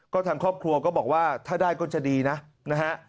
ก็ทางครอบครัวก็บอกว่าถ้าได้ก็จะดีนะนะฮะ